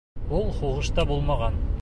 — Ул һуғышта булмаған.